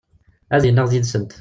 Ad yennaɣ d yid-sent.